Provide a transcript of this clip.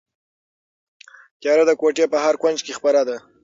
تیاره د کوټې په هر کونج کې خپره ده.